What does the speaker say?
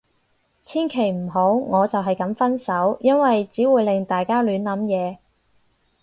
千祈唔好，我就係噉分手。因為只會令大家亂諗嘢